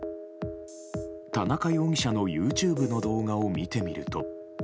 田中容疑者のＹｏｕＴｕｂｅの動画を見てみると。